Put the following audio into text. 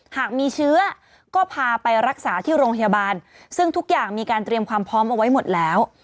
หากมีเชื้อก็พาไปรักษาที่โรงพยาบาลซึ่งทุกอย่างมีการเตรียมความพร้อมเอาไว้หมดแล้ว